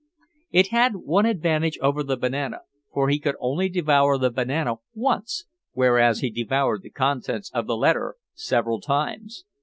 It had one advantage over the banana, for he could only devour the banana once, whereas he devoured the contents of the letter several times.